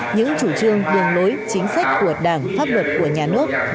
những chủ trương đường lối chính sách của đảng pháp luật của nhà nước